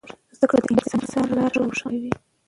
زده کړه د انسان لاره روښانه کوي.